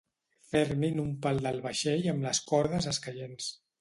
Fermin un pal del vaixell amb les cordes escaients.